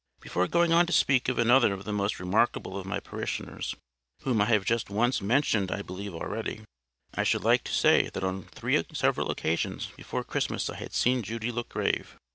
Before going on to speak of another of the most remarkable of my parishioners, whom I have just once mentioned I believe already, I should like to say that on three several occasions before Christmas I had seen Judy look grave.